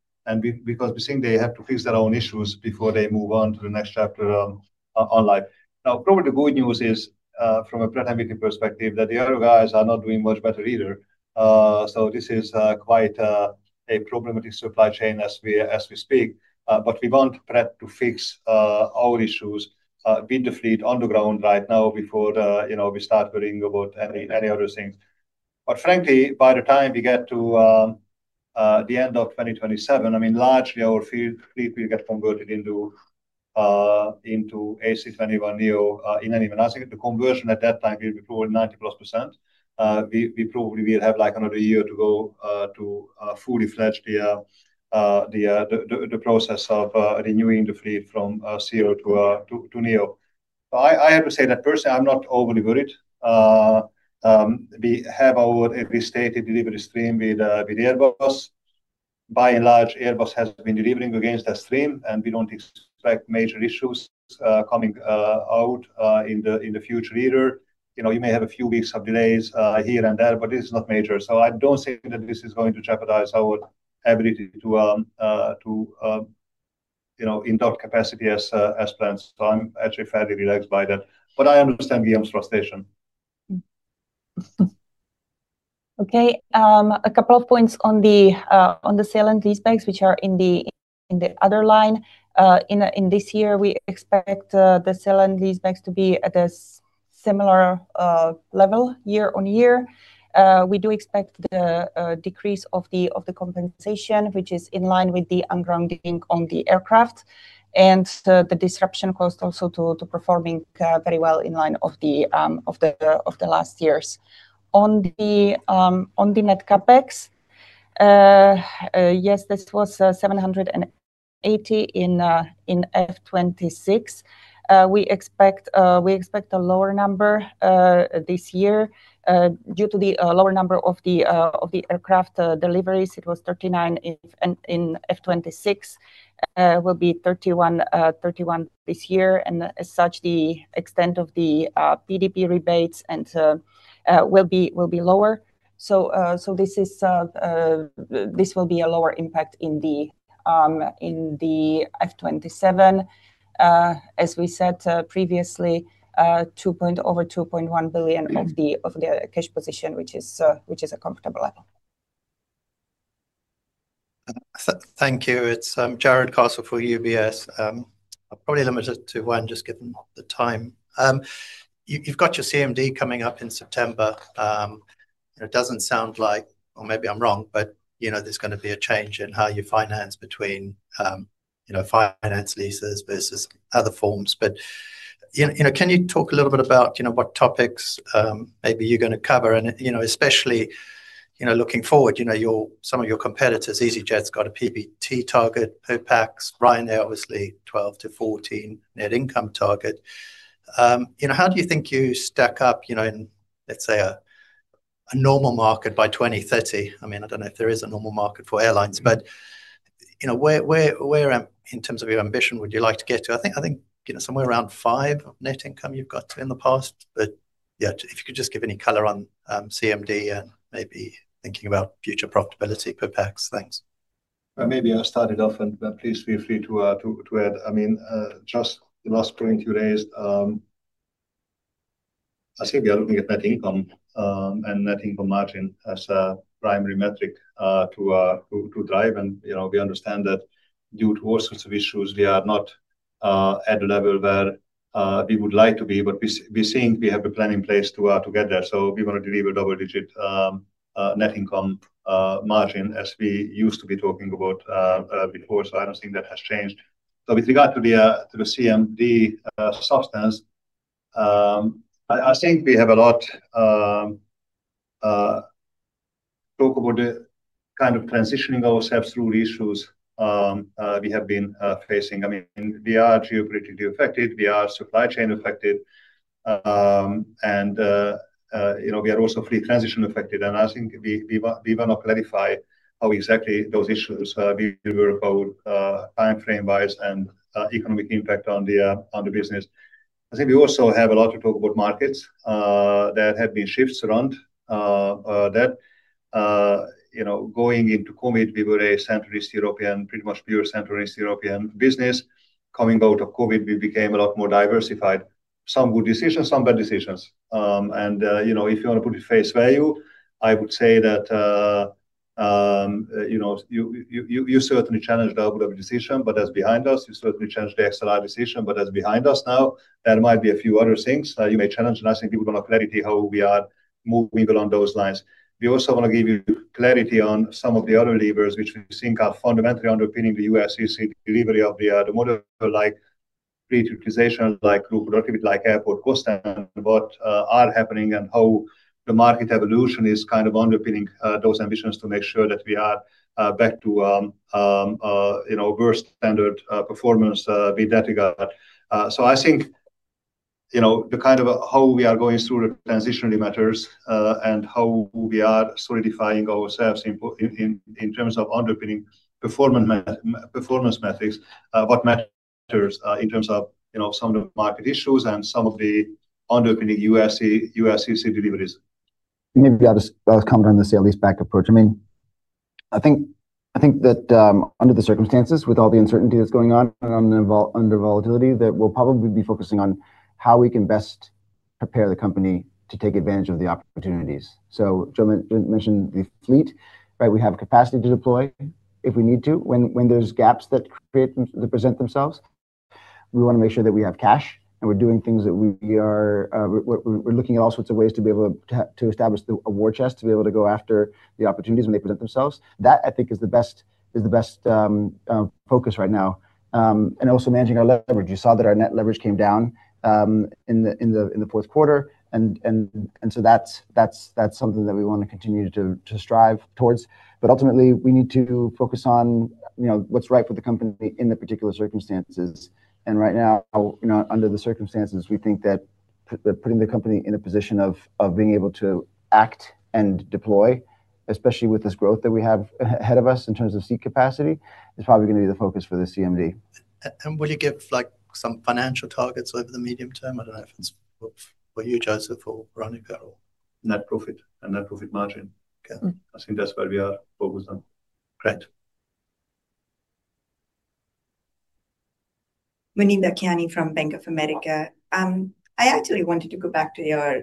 because we think they have to fix their own issues before they move on to the next chapter on life. Probably the good news is, from a Pratt & Whitney perspective, that the other guys are not doing much better either. This is quite a problematic supply chain as we speak. We want Pratt to fix our issues with the fleet on the ground right now before we start worrying about any other things. Frankly, by the time we get to the end of 2027, largely our fleet will get converted into A321neo in any event. I think the conversion at that time will be probably 90%-plus. We probably will have another year to go to fully fledged the process of renewing the fleet from CEO to NEO. I have to say that personally, I'm not overly worried. We have our restated delivery stream with Airbus. By and large, Airbus has been delivering against that stream, and we don't expect major issues coming out in the future either. You may have a few weeks of delays here and there, but this is not major, I don't see that this is going to jeopardize our ability to induct capacity as planned. I'm actually fairly relaxed by that, but I understand Guillaume's frustration. Okay. A couple of points on the sale and leasebacks, which are in the other line. In this year, we expect the sale and leasebacks to be at a similar level year-on-year. We do expect the decrease of the compensation, which is in line with the ungrounding on the aircraft, and the disruption cost also to performing very well in line of the last years. On the net CapEx, yes, this was 780 in FY 2026. We expect a lower number this year due to the lower number of the aircraft deliveries. It was 39 in FY 2026. Will be 31 this year, and as such, the extent of the PDP rebates will be lower. This will be a lower impact in the FY 2027. As we said previously, over 2.1 billion of the cash position, which is a comfortable level. Thank you. It's Jarrod Castle for UBS. I'll probably limit it to one, just given the time. You've got your CMD coming up in September. It doesn't sound like, or maybe I'm wrong, there's going to be a change in how you finance between finance leases versus other forms. Can you talk a little bit about what topics maybe you're going to cover and especially looking forward, some of your competitors, easyJet's got a PBT target, [SOX Packs]. Ryanair, obviously, 12-14 net income target. How do you think you stack up in, let's say, a normal market by 2030? I don't know if there is a normal market for airlines, but where, in terms of your ambition, would you like to get to? I think somewhere around 5 net income you've got to in the past. Yeah, if you could just give any color on CMD and maybe thinking about future profitability per packs. Thanks. Maybe I'll start it off, and please feel free to add. Just the last point you raised, I think we are looking at net income and net income margin as a primary metric to drive. We understand that due to all sorts of issues, we are not at the level where we would like to be, but we think we have a plan in place to get there. We want to deliver double-digit net income margin as we used to be talking about before. I don't think that has changed. With regard to the CMD substance, I think we have a lot about kind of transitioning ourselves through the issues we have been facing. We are geopolitically affected, we are supply chain affected, and we are also fleet transition affected. I think we want to clarify how exactly those issues we were about timeframe wise and economic impact on the business. I think we also have a lot to talk about markets that have been shifts around that. Going into COVID, we were a Central East European, pretty much pure Central East European business. Coming out of COVID, we became a lot more diversified. Some good decisions, some bad decisions. If you want to put it face value, I would say that you certainly challenged our decision, but that's behind us. You certainly challenged the A321XLR decision, but that's behind us now. There might be a few other things you may challenge, and I think people want clarity how we are moving on those lines. We also want to give you clarity on some of the other levers, which we think are fundamentally underpinning the ULCC delivery of the model like pre-utilization, like group productivity, like airport cost and what are happening and how the market evolution is kind of underpinning those ambitions to make sure that we are back to worst standard performance be that regard. I think, the kind of how we are going through the transitionary matters, and how we are solidifying ourselves in terms of underpinning performance metrics. What matters in terms of some of the market issues and some of the underpinning ULCC deliveries. Maybe I'll just comment on the sale and leaseback approach. I think that under the circumstances, with all the uncertainty that's going on and under volatility, that we'll probably be focusing on how we can best prepare the company to take advantage of the opportunities. Joe mentioned the fleet, right? We have capacity to deploy if we need to when those gaps that create them, they present themselves. We want to make sure that we have cash and we're doing things that we're looking at all sorts of ways to be able to establish a war chest, to be able to go after the opportunities when they present themselves. That I think is the best focus right now. Also managing our leverage. You saw that our net leverage came down in the fourth quarter, and so that's something that we want to continue to strive towards. Ultimately, we need to focus on what's right for the company in the particular circumstances. Right now, under the circumstances, we think that putting the company in a position of being able to act and deploy, especially with this growth that we have ahead of us in terms of seat growth, is probably going to be the focus for the CMD. Will you give some financial targets over the medium term? I don't know if it's for you, József, or Veronika, or Net profit and net profit margin. Okay. I think that's where we are focused on. Great. Muneeba Kayani from Bank of America. I actually wanted to go back to your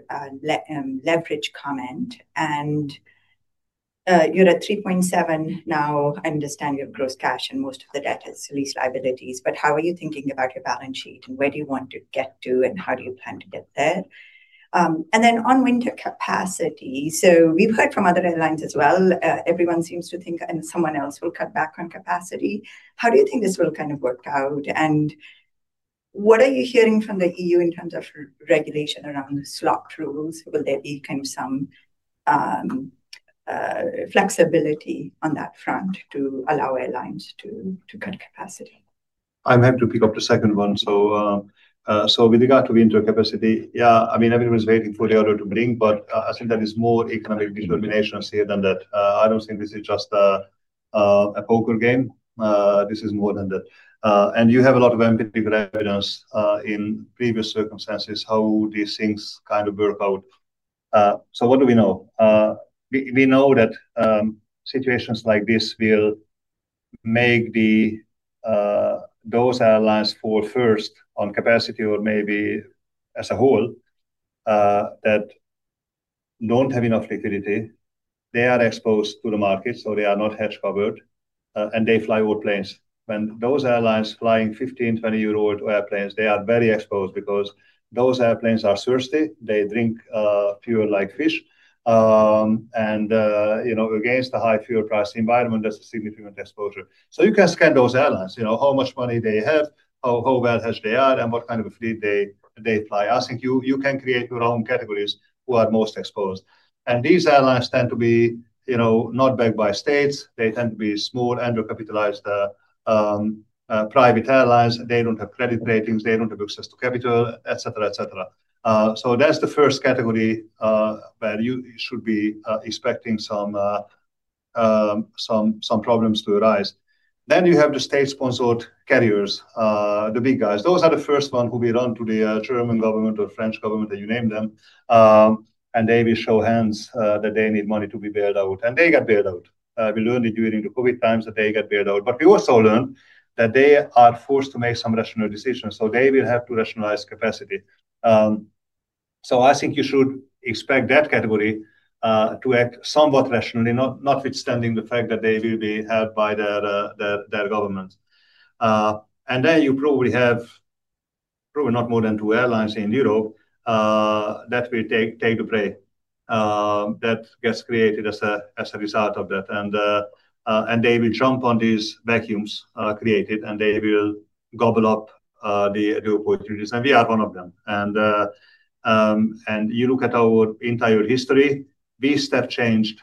leverage comment. You are at 3.7x now. I understand you have gross cash and most of the debt is lease liabilities, but how are you thinking about your balance sheet, where do you want to get to and how do you plan to get there? On winter capacity, we have heard from other airlines as well. Everyone seems to think someone else will cut back on capacity. How do you think this will work out, and what are you hearing from the EU in terms of regulation around the slot rules? Will there be some flexibility on that front to allow airlines to cut capacity? I am happy to pick up the second one. With regard to winter capacity, yeah, everyone's waiting for the order to bring, but I think there is more economic determination here than that. I don't think this is just a poker game. This is more than that. You have a lot of empirical evidence in previous circumstances how these things work out. What do we know? We know that situations like this will make those airlines fall first on capacity or maybe as a whole, that don't have enough liquidity. They are exposed to the market, they are not hedge covered, and they fly old planes. When those airlines flying 15-, 20-year-old airplanes, they are very exposed because those airplanes are thirsty. They drink fuel like fish. Against the high fuel price environment, that's a significant exposure. You can scan those airlines, how much money they have, how well hedged they are, and what kind of a fleet they fly. I think you can create your own categories who are most exposed. These airlines tend to be not backed by states. They tend to be small, under-capitalized private airlines. They don't have credit ratings, they don't have access to capital, et cetera. That's the first category where you should be expecting some problems to arise. You have the state sponsored carriers, the big guys. Those are the first one who will run to the German government or French government or you name them. They will show hands that they need money to be bailed out, and they get bailed out. We learned it during the COVID times that they get bailed out, but we also learned that they are forced to make some rational decisions. They will have to rationalize capacity. I think you should expect that category to act somewhat rationally, notwithstanding the fact that they will be helped by their government. You probably have probably not more than two airlines in Europe that will take the play that gets created as a result of that. They will jump on these vacuums created, and they will gobble up the opportunities, and we are one of them. You look at our entire history, we step changed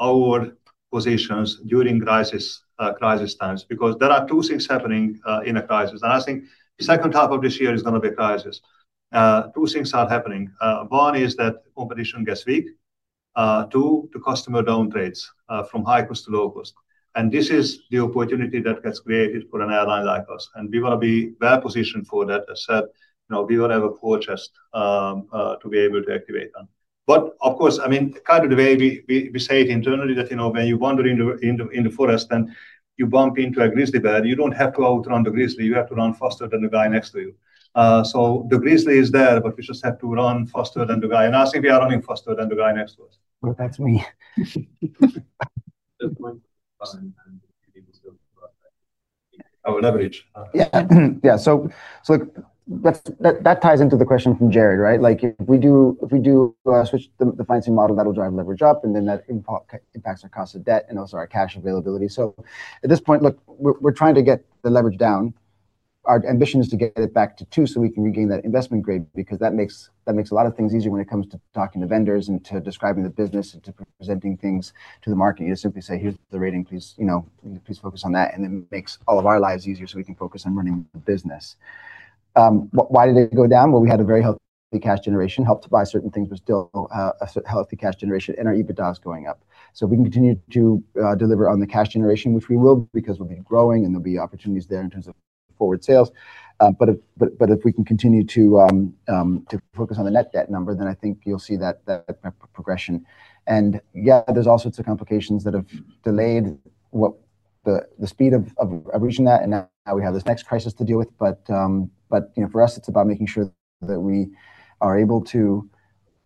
our positions during crisis times because there are two things happening in a crisis, and I think the second half of this year is going to be a crisis. Two things are happening. One is that competition gets weak. Two, the customer downgrades from high cost to low cost. This is the opportunity that gets created for an airline like us, and we will be well-positioned for that. As said, we will have a purchase to be able to activate them. Of course, the way we say it internally that when you wander in the forest and you bump into a grizzly bear, you don't have to outrun the grizzly. You have to run faster than the guy next to you. The grizzly is there, but we just have to run faster than the guy, and I say we are running faster than the guy next to us. Well, that's me. Our leverage. Yeah. Yeah, that ties into the question from Jarrod, right? If we do switch the financing model, that'll drive leverage up, then that impacts our cost of debt and also our cash availability. At this point, look, we're trying to get the leverage down. Our ambition is to get it back to two so we can regain that investment grade because that makes a lot of things easier when it comes to talking to vendors and to describing the business and to presenting things to the market. You just simply say, "Here's the rating, please focus on that," and it makes all of our lives easier so we can focus on running the business. Why did it go down? Well, we had a very healthy cash generation helped by certain things, but still a healthy cash generation, and our EBITDAs going up. We can continue to deliver on the cash generation, which we will because we'll be growing and there'll be opportunities there in terms of forward sales. If we can continue to focus on the net debt number, then I think you'll see that progression. Yeah, there's all sorts of complications that have delayed the speed of reaching that, and now we have this next crisis to deal with. For us, it's about making sure that we are able to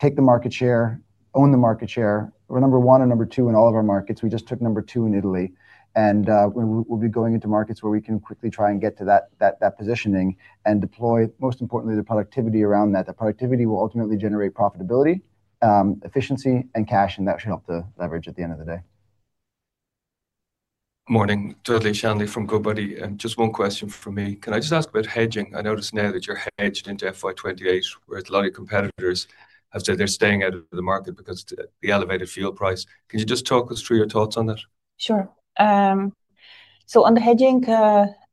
take the market share, own the market share. We're number one and number two in all of our markets. We just took number two in Italy, and we'll be going into markets where we can quickly try and get to that positioning and deploy, most importantly, the productivity around that. The productivity will ultimately generate profitability, efficiency and cash, and that should help the leverage at the end of the day. Morning. Dudley Shanley from Goodbody, and just one question from me. Can I just ask about hedging? I notice now that you're hedged into FY 2028, whereas a lot of your competitors have said they're staying out of the market because of the elevated fuel price. Can you just talk us through your thoughts on that? Sure. On the hedging,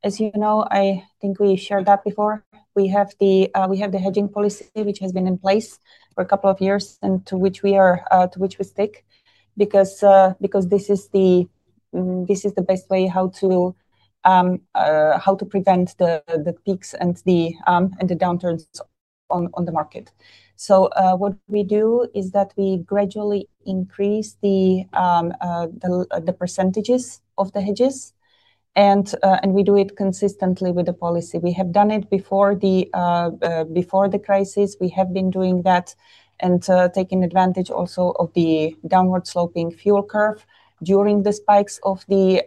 as you know, I think we shared that before. We have the hedging policy which has been in place for a couple of years, and to which we stick because this is the best way how to prevent the peaks and the downturns on the market. What we do is that we gradually increase the percentages of the hedges, and we do it consistently with the policy. We have done it before the crisis. We have been doing that and taking advantage also of the downward sloping fuel curve during the spikes of the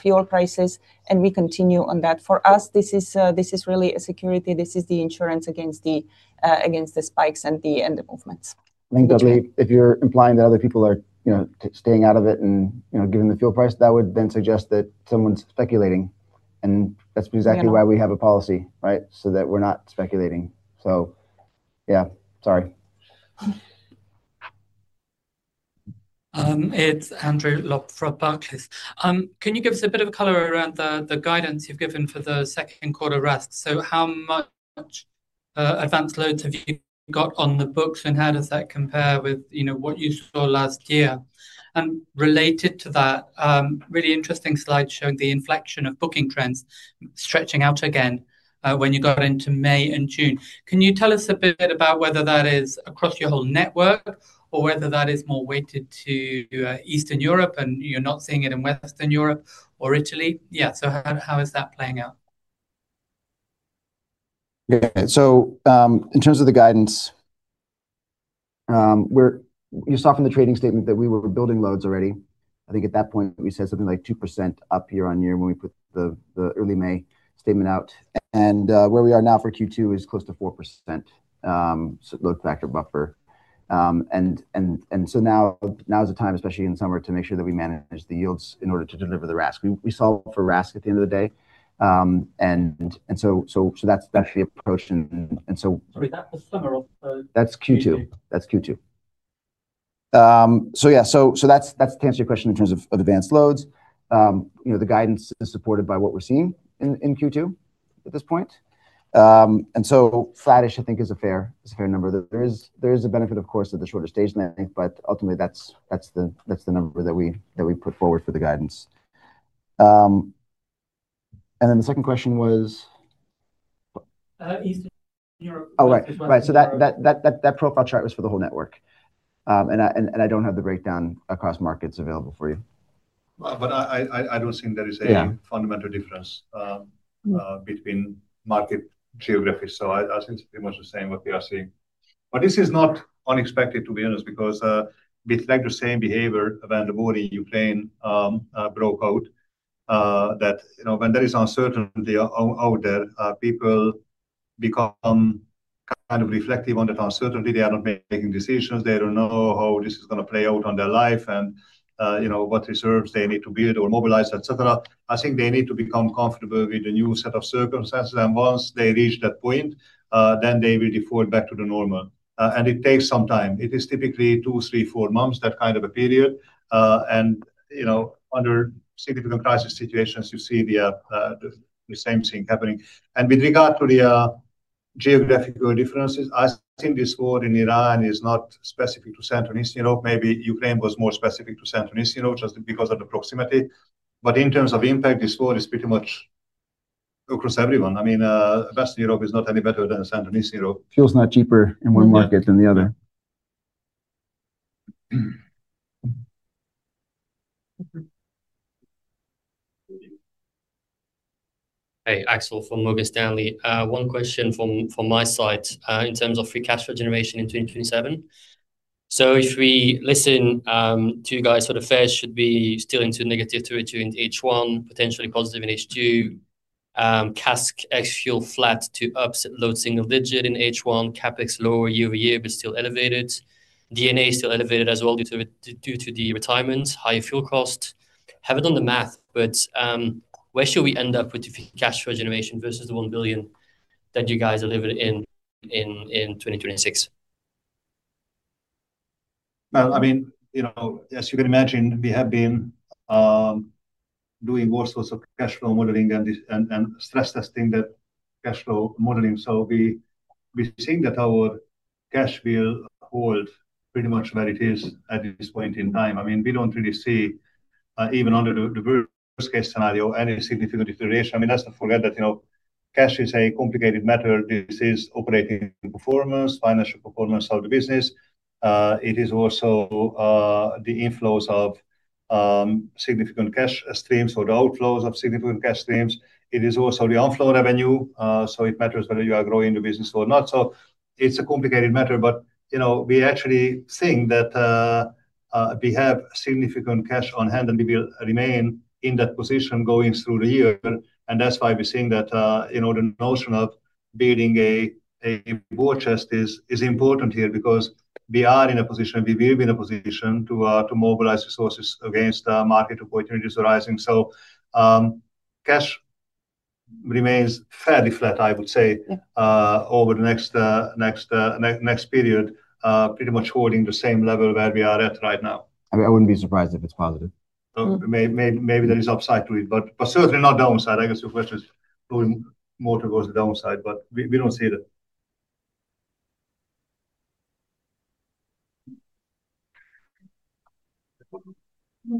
fuel prices, and we continue on that. For us, this is really a security. This is the insurance against the spikes and the movements. I think, Dudley, if you're implying that other people are staying out of it, given the fuel price, that would then suggest that someone's speculating, and that's exactly why we have a policy, right? That we're not speculating. Yeah. Sorry. It's Andrew Lobbenberg from Barclays. Can you give us a bit of a color around the guidance you've given for the second quarter RASK? How much advance loads have you got on the books, and how does that compare with what you saw last year? Related to that, really interesting slide showing the inflection of booking trends stretching out again when you got into May and June. Can you tell us a bit about whether that is across your whole network or whether that is more weighted to Eastern Europe and you're not seeing it in Western Europe or Italy? Yeah. How is that playing out? Yeah. In terms of the guidance, you saw from the trading statement that we were building loads already. I think at that point we said something like 2% up year-on-year when we put the early May statement out. Where we are now for Q2 is close to 4% load factor buffer. Now is the time, especially in summer, to make sure that we manage the yields in order to deliver the RASK. We solve for RASK at the end of the day. That's the approach. Sorry, that's the summer of Q2. Yeah. That's to answer your question in terms of advanced loads. The guidance is supported by what we're seeing in Q2 at this point. Flattish I think is a fair number. There is a benefit, of course, of the shorter stage length, but ultimately that's the number that we put forward for the guidance. The second question was? Eastern Europe. Oh, right. That profile chart was for the whole network. I don't have the breakdown across markets available for you. I don't think there is any. Yeah Fundamental difference between market geographies. I think it's pretty much the same what we are seeing. This is not unexpected, to be honest, because we reflect the same behavior when the war in Ukraine broke out, that when there is uncertainty out there, people become reflective on the uncertainty. They are not making decisions. They don't know how this is going to play out on their life and what reserves they need to build or mobilize, et cetera. I think they need to become comfortable with the new set of circumstances. Once they reach that point, they will default back to the normal. It takes some time. It is typically two, three, four months, that period. Under significant crisis situations, you see the same thing happening. With regard to the geographical differences, I think this war in Iran is not specific to Central and Eastern Europe. Maybe Ukraine was more specific to Central and Eastern Europe just because of the proximity. In terms of impact, this war is pretty much across everyone. Western Europe is not any better than Central and Eastern Europe. Fuel's not cheaper in one market than the other. Hey, Axel from Morgan Stanley. One question from my side in terms of free cash flow generation in 2027. If we listen to you guys, sort of fares should be still into negative two in H1, potentially positive in H2. CASK ex-fuel flat to up low single-digit in H1. CapEx lower year-over-year, still elevated. D&A is still elevated as well due to the retirements, high fuel cost. Haven't done the math, where should we end up with cash flow generation versus the 1 billion that you guys delivered in 2026? Well, as you can imagine, we have been doing all sorts of cash flow modeling and stress testing that cash flow modeling. We think that our cash will hold pretty much where it is at this point in time. We don't really see, even under the worst-case scenario, any significant deterioration. Let's not forget that cash is a complicated matter. This is operating performance, financial performance of the business. It is also the inflows of significant cash streams or the outflows of significant cash streams. It is also the outflow revenue, so it matters whether you are growing the business or not. It's a complicated matter. We actually think that we have significant cash on hand, and we will remain in that position going through the year. That's why we're seeing that the notion of building a war chest is important here because we are in a position, we will be in a position to mobilize resources against market opportunities arising. Cash remains fairly flat, I would say, over the next period, pretty much holding the same level where we are at right now. I wouldn't be surprised if it's positive. Maybe there is upside to it. Certainly not downside. I guess your question is more towards the downside, we don't see it. No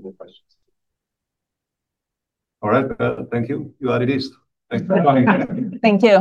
more questions. All right. Thank you. You heard it is. Thanks for coming. Thank you.